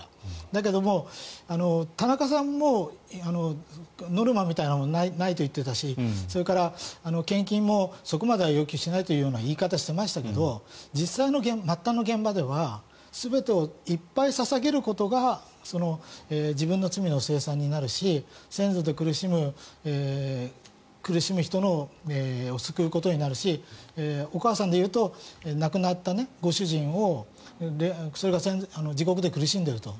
だけど、田中さんもノルマみたいなものがないと言っていたしそれから献金もそこまでは要求しないというような言い方をしていましたけど実際の末端の現場では全てをいっぱい捧げることが自分の罪の清算になるし先祖で苦しむ人を救うことになるしお母さんでいうと亡くなったご主人をそれが地獄で苦しんでいると。